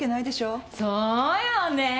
そうよねえ